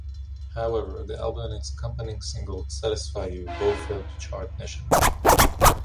However, the album and its accompanying single "Satisfy You" both failed to chart nationally.